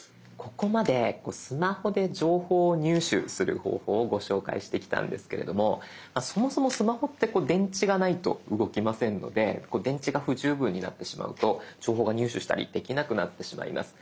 ここまでスマホで情報を入手する方法をご紹介してきたんですけれどもそもそもスマホって電池がないと動きませんので電池が不十分になってしまうと情報が入手したりできなくなってしまいます。